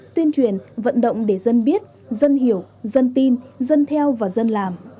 tuyên truyền vận động để dân biết dân hiểu dân tin dân theo và dân làm